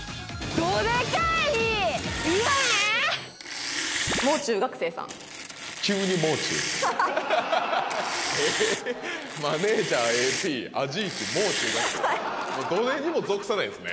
どれにも属さないですね